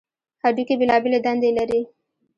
هډوکي بېلابېلې دندې لري.